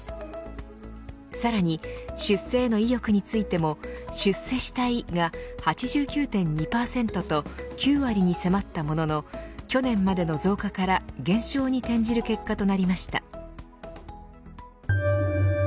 さらに出世への意欲についても出世したいが８９．２％と９割に迫ったものの去年までの増加から減少に転じる結果となりました。